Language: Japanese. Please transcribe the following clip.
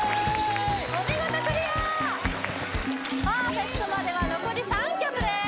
お見事クリアパーフェクトまでは残り３曲です